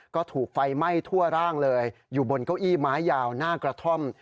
ก็ถูกไฟไหม้ทั่วร่างเลยอยู่บนเก้าอี้ไม้ยาวหน้ากระท่อม